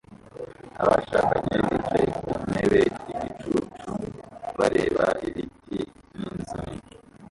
Abashakanye bicaye ku ntebe igicucu bareba ibiti n'inzu nini